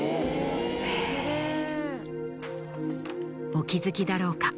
お気付きだろうか？